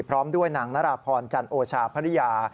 พร้อมด้วยนางนราพรจันโอชาภรรยา